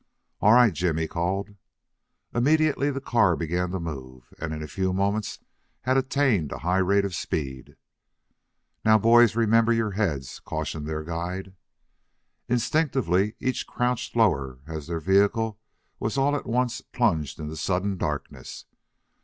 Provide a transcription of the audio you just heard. "All right, Jim," he called. Immediately the car began to move and in a few moments had attained a high rate of speed. "Now, boys, remember your heads," cautioned their guide. Instinctively each crouched lower as their vehicle was all at once plunged into sudden darkness.